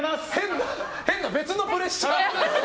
変な別のプレッシャー。